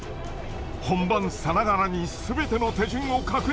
本番さながらにすべての手順を確認。